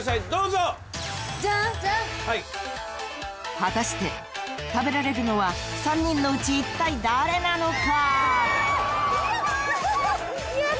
［果たして食べられるのは３人のうちいったい誰なのか？］